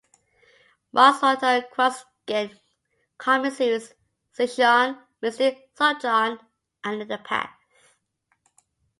Marz worked on the CrossGen Comics series "Scion", "Mystic", "Sojourn", and "The Path".